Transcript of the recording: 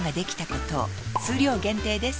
数量限定です